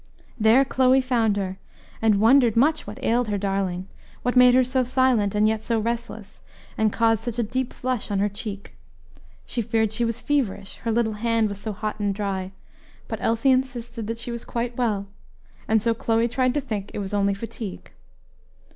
There Chloe found her, and wondered much what ailed her darling, what made her so silent, and yet so restless, and caused such a deep flush on her cheek. She feared she was feverish, her little hand was so hot and dry; but Elsie insisted that she was quite well, and so Chloe tried to think it was only fatigue.